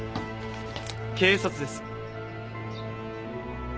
警察です。